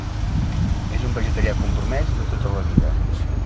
És un vegetarià compromès i de tota la vida.